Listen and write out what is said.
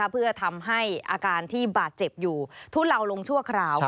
เพื่อทำให้อาการที่บาดเจ็บอยู่ทุเลาลงชั่วคราว